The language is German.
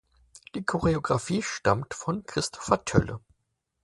Die Choreografie stammt von Christopher Tölle.